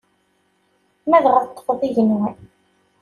Ma dɣa teṭṭfeḍ igenwan.